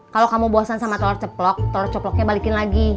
kalau kamu bosan sama telur ceplok telur cokloknya balikin lagi